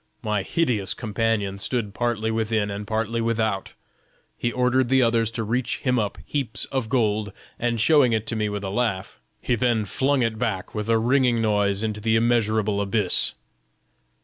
My hideous companion stood partly within and partly without; he ordered the others to reach him up heaps of gold, and showing it to me with a laugh, he then flung it back again with a ringing noise into the immeasurable abyss."